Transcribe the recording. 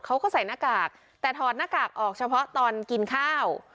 เขาก็ใส่หน้ากากแต่ถอดหน้ากากออกเฉพาะตอนกินข้าว